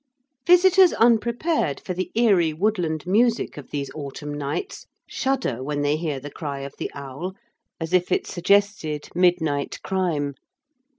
Visitors unprepared for the eerie woodland music of these autumn nights shudder when they hear the cry of the owl, as if it suggested midnight crime.